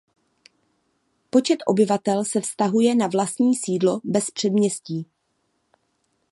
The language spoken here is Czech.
Počet obyvatel se vztahuje na vlastní sídlo bez předměstí.